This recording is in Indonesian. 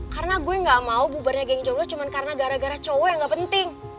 karena gue gak mau bubarnya geng jomblo cuma karena gara gara cowok yang gak penting